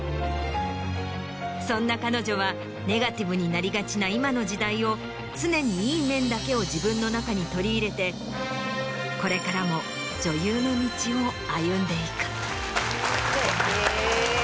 そんな彼女はネガティブになりがちな今の時代を常にいい面だけを自分の中に取り入れてこれからも女優の道を歩んでいく。